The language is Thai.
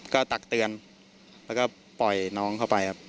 ก็ตักเตือนแล้วก็ปล่อยน้องเข้าไปครับ